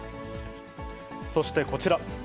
そしてこちら。